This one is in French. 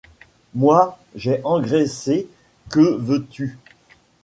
Moi, j’ai engraissé, que veux-tu!